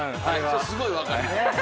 すごい分かります。